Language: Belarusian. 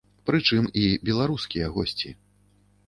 Прычым і беларускія госці.